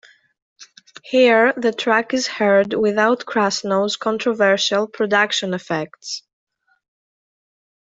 Here, the track is heard without Krasnow's controversial production effects.